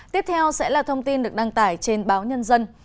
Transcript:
tiếp theo sẽ là thông tin được đăng tải trên báo nhân dân